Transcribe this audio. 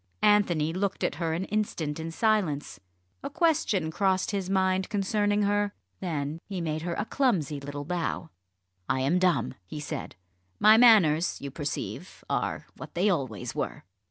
Anthony looked at her an instant in silence. A question crossed his mind concerning her. Then he made her a little clumsy bow. "I am dumb," he said. "My manners, you perceive, are what they always were."